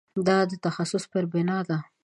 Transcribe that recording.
دا د تخصص پر بنا ده.